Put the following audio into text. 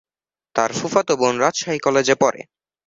তার ফুফাতো বোন রাজশাহী কলেজে পড়ে।